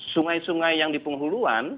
sungai sungai yang di penghuluan